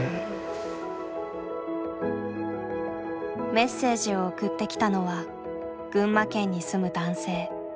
メッセージを送ってきたのは群馬県に住む男性。